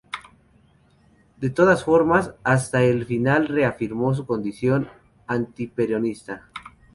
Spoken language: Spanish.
De todas maneras, hasta el final reafirmó su condición antiperonista.